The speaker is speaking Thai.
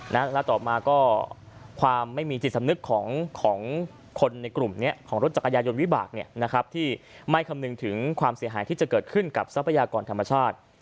แล้วต่อมาก็ความไม่มีจิตสำนึกของคนในกลุ่มนี้ของรถจักรยานยนต์วิบากที่ไม่คำนึงถึงความเสียหายที่จะเกิดขึ้นกับทรัพยากรธรรมชาติ